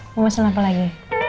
mau pesen apa lagi